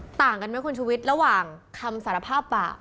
มันต่างกันมั้ยคนชุวิตระหว่างคำสารภาพป่ะ